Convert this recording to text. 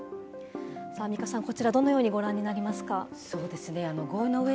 アンミカさん、こちらどのようにご覧になりますか？